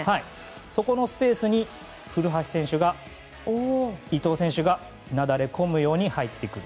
そこのスペースに古橋選手が伊東選手がなだれ込むように入ってくる。